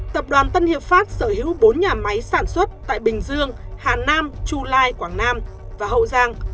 tập đoàn tân hiệp pháp sở hữu bốn nhà máy sản xuất tại bình dương hà nam chu lai quảng nam và hậu giang